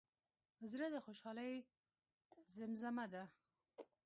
زړه د خوشحالۍ زیمزمه ده.